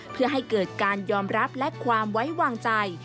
เพื่อให้เกิดการยอมรับและความไว้วางใจ